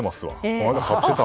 この間買ってた。